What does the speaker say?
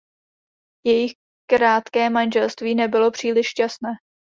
Jejich krátké manželství nebylo příliš šťastné.